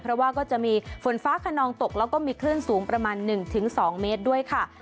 เพราะว่าก็จะมีฝนฟ้าขนองตกแล้วก็มีคลื่นสูงประมาณ๑๒เมตรด้วยค่ะ